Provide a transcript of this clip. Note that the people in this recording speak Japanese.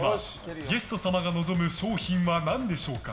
ゲスト様が望む賞品は何でしょうか。